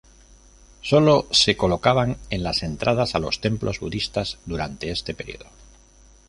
Solo se colocaban en las entradas a los templos budistas durante este período.